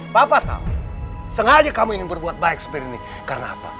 bapak tahu sengaja kamu ingin berbuat baik seperti ini karena apa